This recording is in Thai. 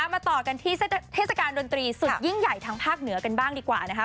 มาต่อกันที่เทศกาลดนตรีสุดยิ่งใหญ่ทางภาคเหนือกันบ้างดีกว่านะคะ